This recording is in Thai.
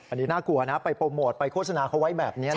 อันนี้น่ากลัวนะไปโปรโมทไปโฆษณาเขาไว้แบบนี้